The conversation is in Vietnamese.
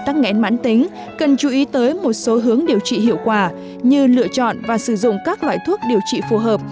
tăng nghẽn mãn tính cần chú ý tới một số hướng điều trị hiệu quả như lựa chọn và sử dụng các loại thuốc điều trị phù hợp